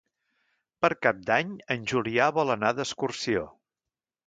Per Cap d'Any en Julià vol anar d'excursió.